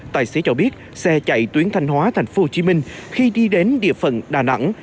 tài xế cho biết xe chạy tuyến thanh hóa thành phố hồ chí minh khi đi đến địa phận đà nẵng